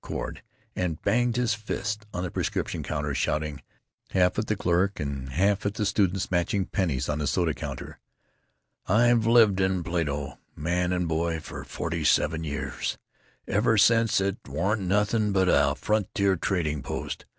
cord, and banged his fist on the prescription counter, shouting, half at the clerk and half at the students matching pennies on the soda counter, "I've lived in Plato, man and boy, for forty seven years—ever since it wa'n't nothing but a frontier trading post.